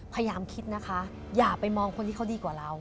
พยายามคิดนะคะอย่าไปมองคนที่เขาดีกว่าเรา